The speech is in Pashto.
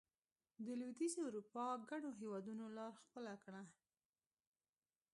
د لوېدیځې اروپا ګڼو هېوادونو لار خپله کړه.